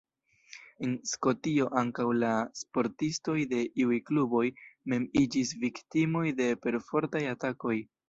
En Skotio ankaŭ la sportistoj de iuj kluboj mem iĝis viktimoj de perfortaj atakoj.